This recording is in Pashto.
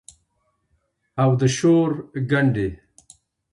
او د شور ګنډي